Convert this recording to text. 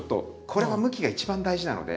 これは向きが一番大事なので。